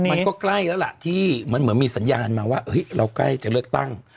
มันก็ใกล้แล้วล่ะที่เหมือนมีสัญญาณมาว่าเราใกล้จะเลือกตั้ง